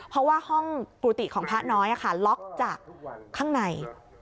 เพราะว่าห้องกุฏิของพระน้อยล็อกจากข้างใน